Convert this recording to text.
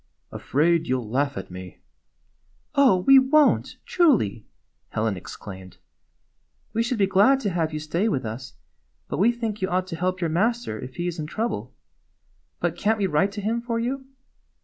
"Afraid you 'll laugh at me." "Oh, we won't, truly!" Helen exclaimed. " We should be glad to have you stay with us, but we think you ought to help your master if he is in trouble. But can't we write to him for you?"